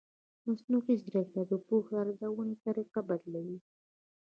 مصنوعي ځیرکتیا د پوهې د ارزونې طریقه بدلوي.